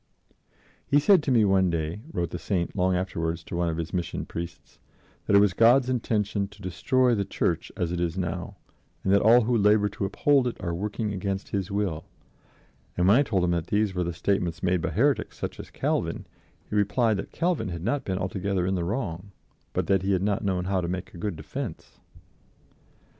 "He said to me one day," wrote the Saint long afterwards to one of his Mission Priests, "that it was God's intention to destroy the Church as it is now, and that all who labor to uphold it are working against His will; and when I told him that these were the statements made by heretics such as Calvin, he replied that Calvin had not been altogether in the wrong, but that he had not known how to make a good defense."